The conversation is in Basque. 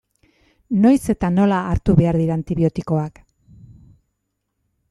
Noiz eta nola hartu behar dira antibiotikoak?